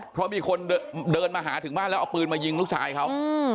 เพราะมีคนเดินมาหาถึงบ้านแล้วเอาปืนมายิงลูกชายเขา